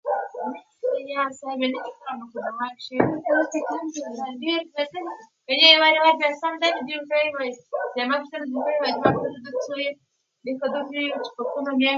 د لمر رڼا د انسان په روحي سلامتیا کې خورا اغېزمنه ده.